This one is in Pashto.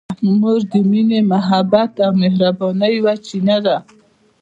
مور د مینې، محبت او مهربانۍ یوه چینه ده.